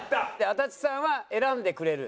足立さんは選んでくれる？